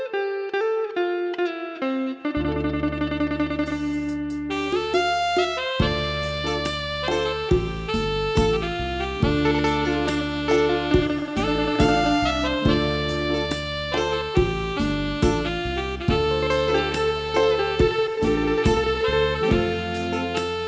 โปรดติดตามตอนต่อไป